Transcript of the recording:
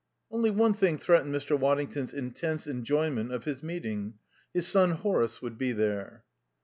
Only one thing threatened Mr. Waddington's intense enjoyment of his meeting: his son Horace would be there.